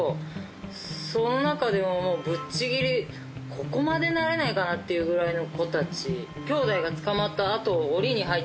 ここまで馴れないかなっていうぐらいの子たち。